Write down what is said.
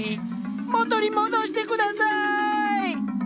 元に戻してください！